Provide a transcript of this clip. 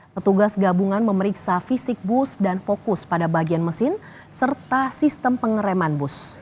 petugas gabungan memeriksa fisik bus dan fokus pada bagian mesin serta sistem pengereman bus